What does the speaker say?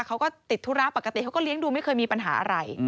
เขาก็ติดธุระปกติเขาก็เลี้ยงดูไม่เคยมีปัญหาอะไร